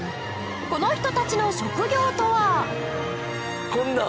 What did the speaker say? この人たちの職業とは？